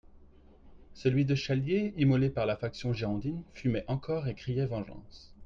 Celui de Chalier, immolé par la faction girondine, fumait encore et criait vengeance.